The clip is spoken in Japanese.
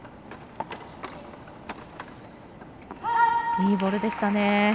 いいボールでしたね。